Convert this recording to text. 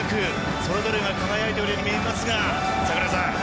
それぞれが輝いてるように見えますが、櫻井さん。